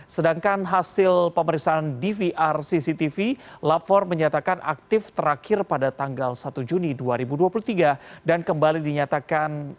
sedangkan hasil pemeriksaan dvr cctv lapor menyatakan aktif terakhir pada tanggal satu juni dua ribu dua puluh tiga dan kembali dinyatakan